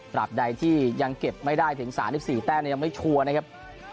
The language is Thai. บใดที่ยังเก็บไม่ได้ถึง๓๔แต้มยังไม่ชัวร์นะครับ